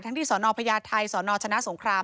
ทั้งที่สรนอภยไทยสรนอชนศงฆราม